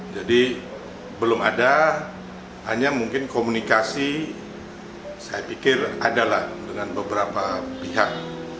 jadi belum ada hanya mungkin komunikasi saya pikir adalah dengan beberapa pihak